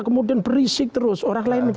kemudian berisik terus orang lain